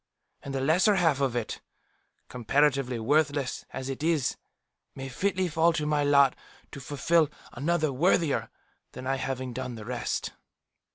And the lesser half of it, comparatively worthless as it is, may fitly fall to my lot to fulfil, another worthier than I having done the rest."